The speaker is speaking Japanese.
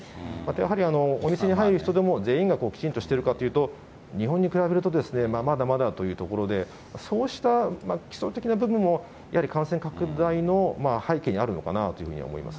やはり、お店に入る人でも全員がきちんとしているかというと、日本に比べるとまだまだというところで、そうした基礎的な部分も、やはり感染拡大の背景にあるのかなというふうに思います。